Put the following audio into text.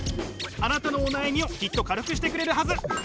あなたのお悩みをきっと軽くしてくれるはず。